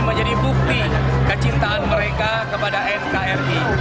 menjadi bukti kecintaan mereka kepada nkri